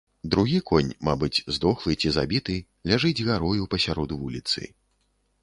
Другі конь, мабыць, здохлы ці забіты, ляжыць гарою пасярод вуліцы.